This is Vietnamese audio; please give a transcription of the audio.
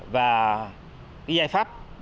và yi pháp quan trọng